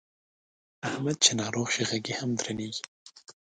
احمد چې ناروغ شي غږ یې هم درنېږي.